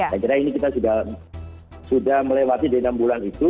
saya kira ini kita sudah melewati dari enam bulan itu